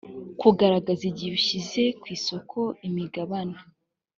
kugaragaza igihe ushyize ku isoko imigabane